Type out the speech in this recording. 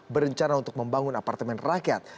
berencana untuk membangun apartemen rakyat